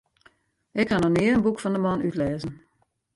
Ik ha noch nea in boek fan de man útlêzen.